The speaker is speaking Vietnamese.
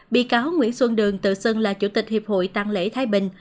bị cáo nguyễn xuân đường tự xưng là chủ tịch hiệp hội tăng lễ thái bình